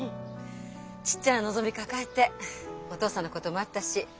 ちっちゃなのぞみ抱えてお父さんのこともあったし